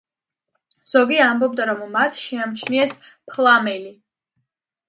ზოგი ამბობდა, რომ მათ შეამჩნიეს ფლამელი.